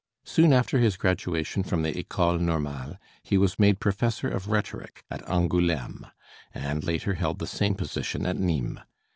Soon after his graduation from the École Normale he was made professor of rhetoric at Angoulême, and later held the same position at Nîmes.